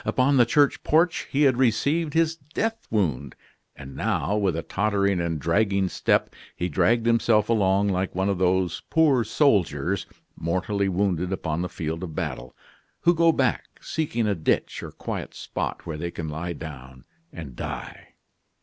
Upon the church porch he had received his death wound; and now, with a tottering and dragging step, he dragged himself along like one of those poor soldiers, mortally wounded upon the field of battle, who go back, seeking a ditch or quiet spot where they can lie down and die.